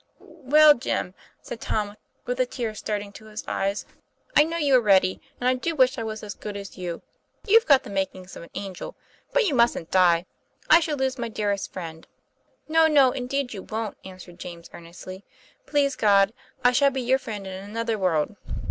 "Well, Jim," said Tom, with the tears starting to his eyes, "I know you are ready, and I do wish I was as good as you. You've got the makings of an angel, but you mustn't die; I should lose my dearest friend." 1 No, no; indeed you won't," answered James earnestly. * Please God, I shall be your friend in another world.